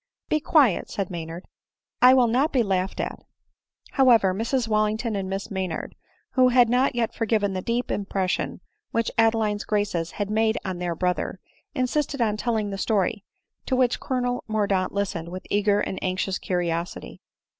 " Be quiet," said Maynard ;" I will not be laughed at." However, Mrs Waliington and Miss Maynard) who bad not yet forgiven the deep impression which Adeline's graces had made on their brother, insisted on telling the story ; to which Colonel Mordaunt listened with eager and anxious curiosity.